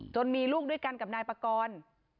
มีลูกด้วยกันกับนายปากร